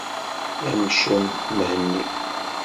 D amcum, Mhenni.